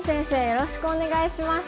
よろしくお願いします。